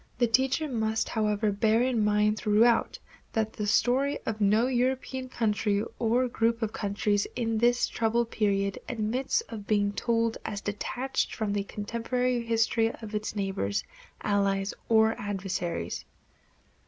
The teacher must, however, bear in mind throughout that "the story of no European country or group of countries in this troubled period admits of being told as detached from the contemporary history of its neighbors, allies, or adversaries."